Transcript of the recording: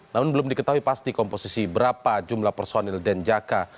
namun belum diketahui pasti komposisi berapa jumlah personil denjaka